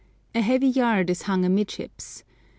A heavy yard is hung amidships.